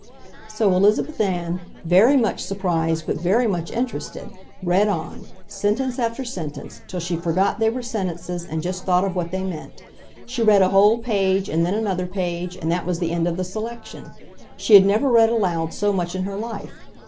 So Elizabeth Ann, very much surprised but very much interested, read on, sentence after sentence, till she forgot they were sentences and just thought of what they meant. She read a whole page and then another page, and that was the end of the selection. She had never read aloud so much in her life.